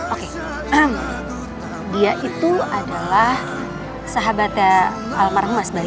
oke dia itu adalah sahabatnya almangku mas bayu